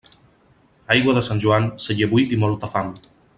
Aigua de Sant Joan, celler buit i molta fam.